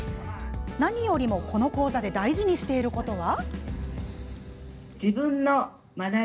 何よりもこの講座で大事にしていることは？